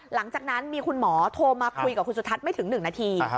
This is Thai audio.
หลังจากนั้นมีคุณหมอโทรมาคุยกับคุณสุทัศน์ไม่ถึง๑นาที